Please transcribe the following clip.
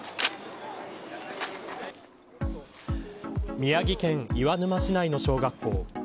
宮城県岩沼市内の小学校。